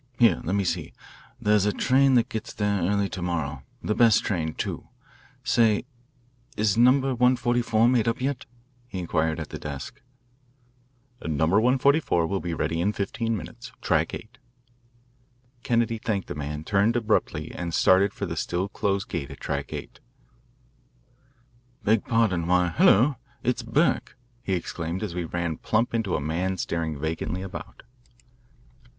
Here, let me see there's a train that gets there early to morrow, the best train, too. Say, is No. 144 made up yet?" he inquired at the desk. "No. 144 will be ready in fifteen minutes. Track 8." Kennedy thanked the man, turned abruptly, and started for the still closed gate at Track 8. "Beg pardon why, hulloa it's Burke," he exclaimed as we ran plump into a man staring vacantly about.